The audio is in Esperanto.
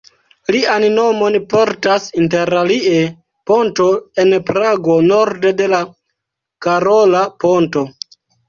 Lian nomon portas interalie ponto en Prago, norde de la Karola Ponto.